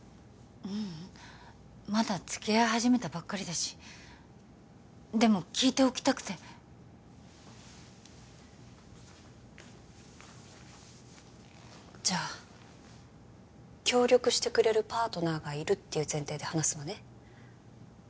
ううんまだつきあい始めたばっかりだしでも聞いておきたくてじゃあ協力してくれるパートナーがいるっていう前提で話すわね